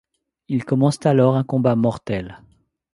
Ils commencent alors un combat mortel.